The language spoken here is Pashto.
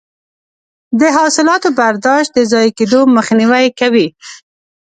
د حاصلاتو برداشت د ضایع کیدو مخنیوی کوي.